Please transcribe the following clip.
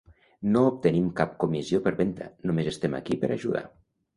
No obtenim cap comissió per venta, només estem aquí per ajudar.